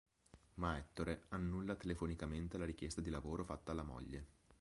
Ma Ettore annulla telefonicamente la richiesta di lavoro fatta alla moglie.